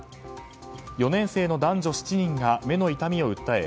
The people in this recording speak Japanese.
４年生の男女７人が目の痛みを訴え